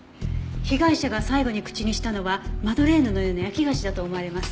被害者が最後に口にしたのはマドレーヌのような焼き菓子だと思われます。